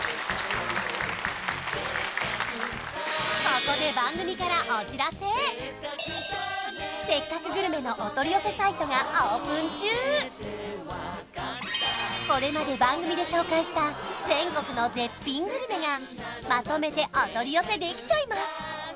ここで番組から「せっかくグルメ！！」のお取り寄せサイトがオープン中これまで番組で紹介した全国の絶品グルメがまとめてお取り寄せできちゃいます